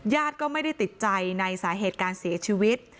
ญาติก็ไม่ได้ติดใจในสาเหตุการเสียชีวิต